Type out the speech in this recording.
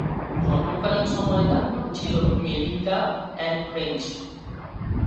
জন্মকালীন সময়ে তার নাম ছিল মেলিন্ডা অ্যান ফ্রেঞ্চ।